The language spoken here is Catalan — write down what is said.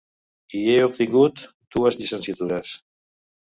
Hi he obtingut dues llicenciatures.